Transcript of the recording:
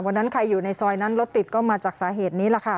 ใครอยู่ในซอยนั้นรถติดก็มาจากสาเหตุนี้แหละค่ะ